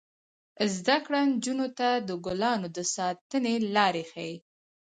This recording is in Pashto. زده کړه نجونو ته د ګلانو د ساتنې لارې ښيي.